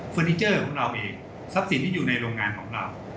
นิเจอร์ของเราเองทรัพย์สินที่อยู่ในโรงงานของเรา